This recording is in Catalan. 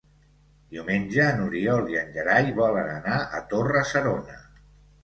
Diumenge n'Oriol i en Gerai volen anar a Torre-serona.